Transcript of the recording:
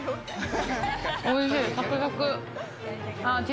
おいしい！